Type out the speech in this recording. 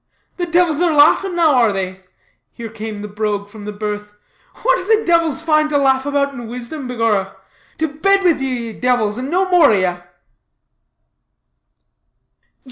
"The divils are laughing now, are they?" here came the brogue from the berth. "What do the divils find to laugh about in wisdom, begorrah? To bed with ye, ye divils, and no more of ye."